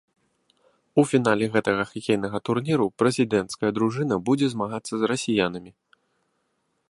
У фінале гэтага хакейнага турніру прэзідэнцкая дружына будзе змагацца з расіянамі.